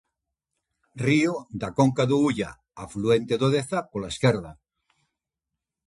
Río da conca do Ulla, afluente do Deza pola esquerda.